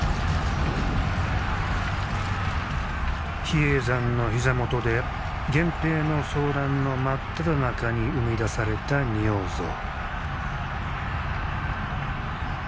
比叡山の膝元で源平の争乱の真っただ中に生み出された仁王像。